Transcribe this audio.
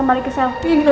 jaga kesehatan kamu